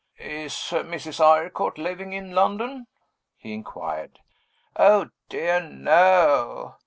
"Is Mrs. Eyrecourt living in London?" he inquired. "Oh, dear, no!